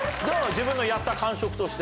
自分のやった感触として。